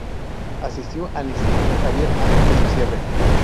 Asistió al Instituto Xavier antes de su cierre.